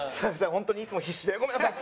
ホントにいつも必死でごめんなさい！